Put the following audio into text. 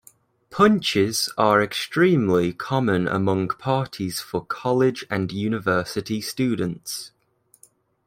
Punches are extremely common among parties for college and university students.